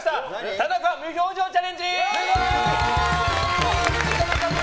田中・無表情チャレンジ！